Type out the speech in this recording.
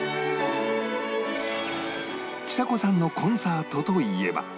ちさ子さんのコンサートといえば